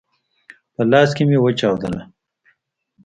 په لاس کي مي وچاودله !